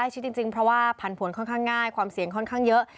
ชิดจริงเพราะว่าผันผลค่อนข้างง่ายความเสี่ยงค่อนข้างเยอะ